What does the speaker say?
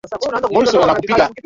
oka lola jim ambaye ni mwalimu